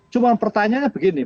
cuma pertanyaannya begini